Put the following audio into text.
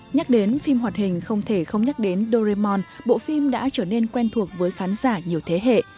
nhắc đến phim hoạt hình không thể không nhắc đến doraemon bộ phim đã trở nên quen thuộc với khán giả nhiều thế hệ